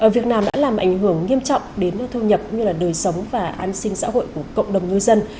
việt nam đã làm ảnh hưởng nghiêm trọng đến thu nhập đời sống và an sinh xã hội của cộng đồng ngư dân